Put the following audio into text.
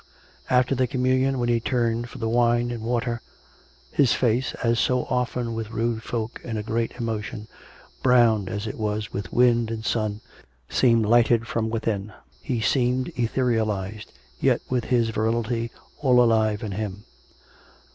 After the communion, when he turned for the wine and water, his face, as so often with rude folk in a great emotion, browned as it was with wind and sun, seemed lighted from within; he seemed etherealized, yet with his virility all alive in him.